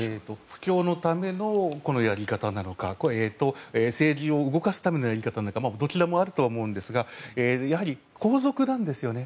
布教のためのやり方なのか政治を動かすためのやり方なのかどちらもあると思うんですがやはり後続なんですよね。